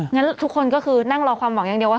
งั้นทุกคนก็คือนั่งรอความหวังอย่างเดียวว่า